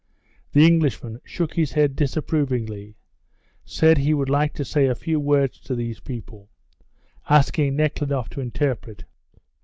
The Englishman shook his head disapprovingly, said he would like to say a few words to these people, asking Nekhludoff to interpret.